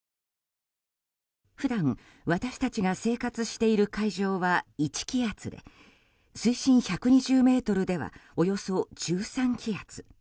普段、私たちが生活している海上は１気圧で水深１２０ｍではおよそ１３気圧。